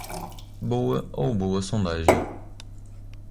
Boa ou boa sondagem.